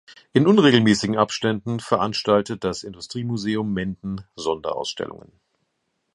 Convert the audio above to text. In unregelmäßigen Abständen veranstaltet das Industriemuseum Menden Sonderausstellungen.